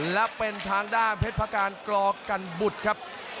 แล้วเป็นทางด้านเพชรประการกรอกรรมบุตรครับ